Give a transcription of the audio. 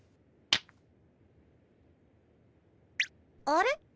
あれ？